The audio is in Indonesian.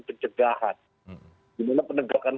pencegahan dimana penegakan